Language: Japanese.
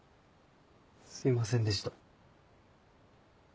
すいませんでした。